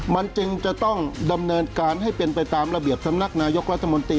มันจึงจะต้องดำเนินการให้เป็นไปตามระเบียบสำนักนายกรัฐมนตรี